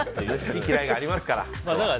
好き嫌いがありますから。